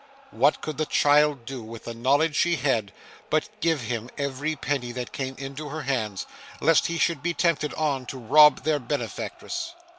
What could the child do with the knowledge she had, but give him every penny that came into her hands, lest he should be tempted on to rob their benefactress?